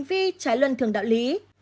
vì trái luận thường đạo lý